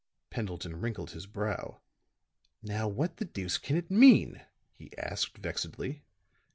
Pendleton wrinkled his brow. "Now what the deuce can it mean," he asked, vexedly.